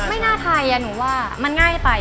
ไม่น่าไทยอ่ะหนูว่ามันง่ายไปไปอ่ะ